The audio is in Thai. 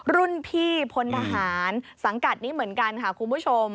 รุ่นพี่พลทหารสังกัดนี้เหมือนกันค่ะคุณผู้ชม